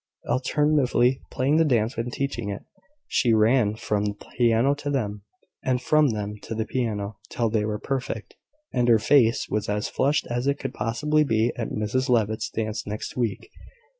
Alternately playing the dance and teaching it, she ran from the piano to them, and from them to the piano, till they were perfect, and her face was as flushed as it could possibly be at Mrs Levitt's dance next week.